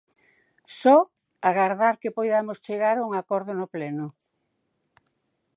Só agardar que poidamos chegar a un acordo no Pleno.